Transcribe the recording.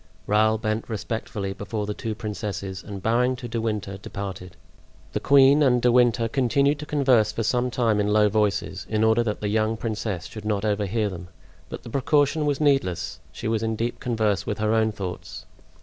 Raoul bent respectfully before the two princesses, and bowing to De Winter, departed. The queen and De Winter continued to converse for some time in low voices, in order that the young princess should not overhear them; but the precaution was needless: she was in deep converse with her own thoughts.